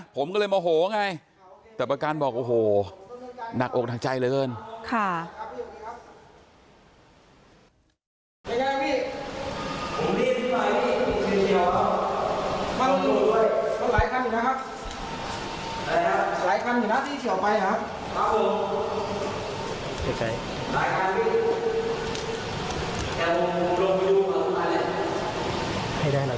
ผมก็เลยมาโหวะไงแต่ประการบอกโอ้โหนักโอกทางใจเลยเกิน